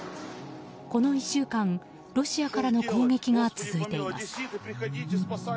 この１週間、ロシアからの攻撃が続いています。